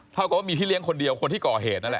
เท่ากับว่ามีพี่เลี้ยงคนเดียวคนที่ก่อเหตุนั่นแหละ